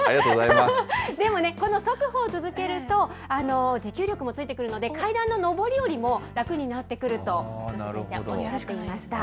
でもね、この速歩を続けると、持久力もついてくるので、階段の上り下りも楽になってくるとおっしゃっていました。